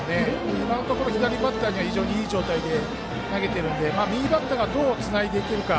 今のところ、左バッターにはいい状態で投げているので右バッターがどうつないでいけるか。